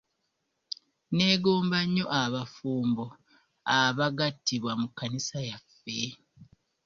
Neegomba nnyo abafumbo abagattibwa mu kkanisa yaffe.